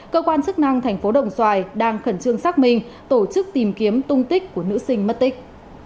cơ quan chức năng thành phố đồng xoài đang khẩn trương xác minh tổ chức tìm kiếm tung tích của nữ sinh mất tích